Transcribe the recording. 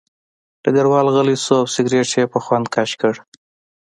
ډګروال غلی شو او سګرټ یې په خوند کش کړ